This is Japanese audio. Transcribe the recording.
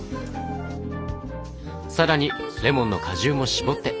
更にレモンの果汁も搾って。